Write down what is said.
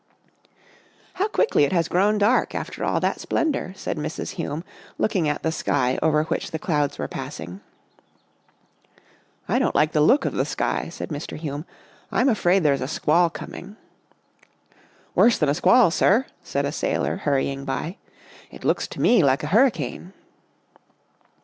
" How quickly it has grown dark after all that splendour," said Mrs. Hume, looking at the sky over which the clouds were passing. " I don't like the look of the sky," said Mr. Hume. " I'm afraid there is a squall coming." " Worse than a squall, sir," said a sailor, hurrying by. " It looks to me like a hurricane."